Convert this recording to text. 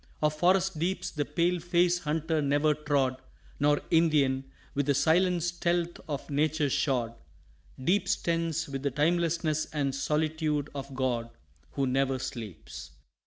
Of forest deeps the pale face hunter never trod, Nor Indian, with the silent stealth of Nature shod; Deeps tense with the timelessness and solitude of God, Who never sleeps.